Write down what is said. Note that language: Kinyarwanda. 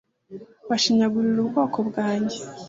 bashinyagurira ubwoko bwanjye.